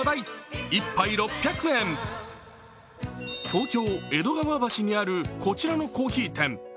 東京・江戸川橋にあるこちらのコーヒー店。